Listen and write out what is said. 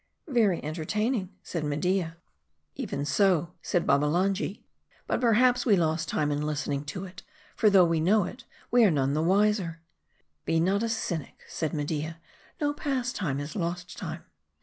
" Very entertaining," said Media. " Even so," said Babbalanja. " But perhaps we lost time in listening to it ; for though we know it, we are none the wiser." "Be not a cynic," said Media. "'No pastime is lost time."